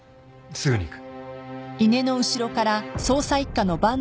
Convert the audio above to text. すぐに行く。